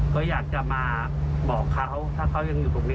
ก็อยากจะมาบอกเขาถ้าเขายังอยู่ตรงนี้